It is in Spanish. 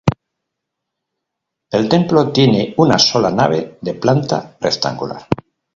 El templo tiene una sola nave, de planta rectangular.